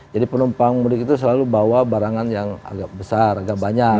jadi penumpang mudik itu selalu bawa barangan yang agak besar agak banyak